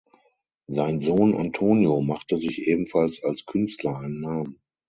Sein Sohn Antonio machte sich ebenfalls als Künstler einen Namen.